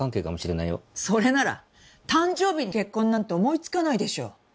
それなら誕生日に結婚なんて思いつかないでしょ。